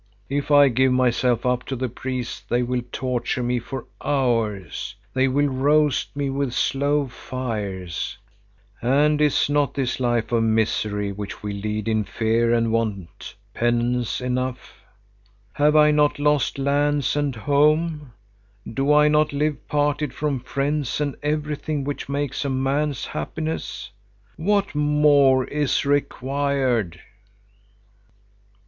If I give myself up to the priests, they will torture me for hours; they will roast me with slow fires. And is not this life of misery, which we lead in fear and want, penance enough? Have I not lost lands and home? Do I not live parted from friends and everything which makes a man's happiness? What more is required?"